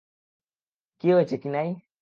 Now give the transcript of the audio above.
কী হয়েছে, কিনাই?